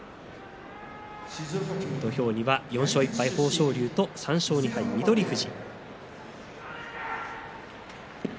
土俵には４勝１敗、豊昇龍と３勝１敗の翠富士。